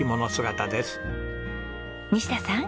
西田さん。